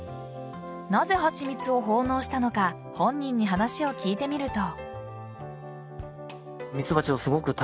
なぜ蜂蜜を奉納したのか本人に話を聞いてみると。